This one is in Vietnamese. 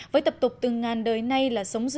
với tập tục từ ngàn đời nay là sống dư